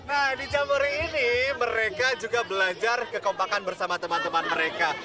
nah di jambore ini mereka juga belajar kekompakan bersama teman teman mereka